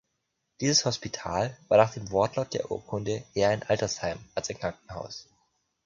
Dieses Hospital war nach dem Wortlaut der Urkunde eher ein Altersheim als ein Krankenhaus.